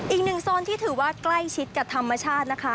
อีกหนึ่งโซนที่ถือว่าใกล้ชิดกับธรรมชาตินะคะ